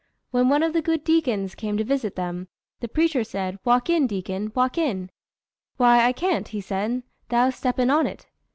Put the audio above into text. When one of the good deacons came to visit them, the preacher said, "Walk in, deacon, walk in!" "Why, I can't," said he, "'thout steppin' on't."